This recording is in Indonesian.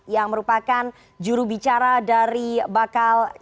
yang merupakan jurubicara dari bakal calon